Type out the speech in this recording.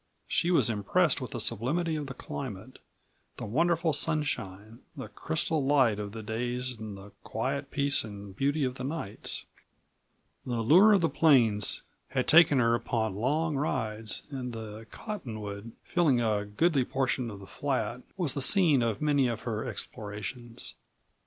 She was impressed with the sublimity of the climate, the wonderful sunshine, the crystal light of the days and the quiet peace and beauty of the nights. The lure of the plains had taken her upon long rides, and the cottonwood, filling a goodly portion of the flat, was the scene of many of her explorations.